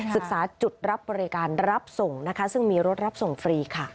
ศึกษาจุดรับบริการรับส่งนะคะซึ่งมีรถรับส่งฟรีค่ะ